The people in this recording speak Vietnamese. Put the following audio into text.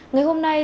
ngày hôm nay